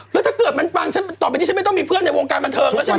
แล้วถ้าเกิดมันฟังฉันต่อไปนี้ฉันไม่ต้องมีเพื่อนในวงการบันเทิงแล้วใช่ไหม